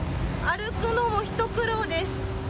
歩くのも一苦労です。